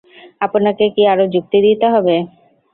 আপনাকে কি আরো যুক্তি দিতে হবে?